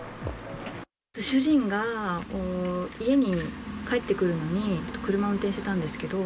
主人が家に帰ってくるのに、車を運転してたんですけれども。